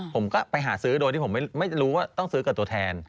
ผมก็ไปหาซื้อโดยที่ผมไม่รู้ว่าต้องซื้อกับตัวแทน